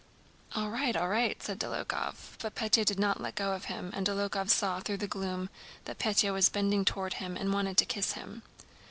"All right, all right!" said Dólokhov. But Pétya did not let go of him and Dólokhov saw through the gloom that Pétya was bending toward him and wanted to kiss him.